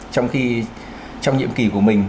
trong khi trong nhiệm kỳ của mình